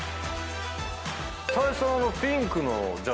最初。